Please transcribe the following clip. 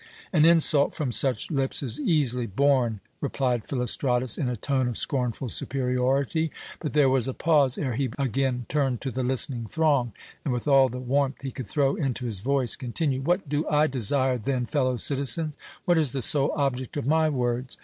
"An insult from such lips is easily borne," replied Philostratus in a tone of scornful superiority; but there was a pause ere he again turned to the listening throng, and with all the warmth he could throw into his voice continued: "What do I desire, then, fellow citizens? What is the sole object of my words?